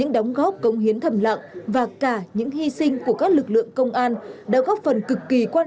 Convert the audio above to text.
đóng góp công hiến thầm lặng và cả những hy sinh của các lực lượng công an đã góp phần cực kỳ quan